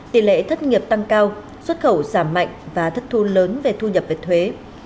tỷ lệ thất nghiệp tăng cao xuất khẩu giảm mạnh và thất thu lớn về thu nhập về thuế